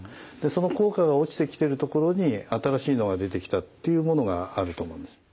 その効果が落ちてきてるところに新しいのが出てきたっていうものがあると思うんです。